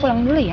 pulang dulu ya